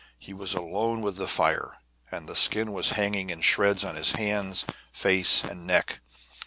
He was alone with the fire, and the skin was hanging in shreds on his hands, face, and neck.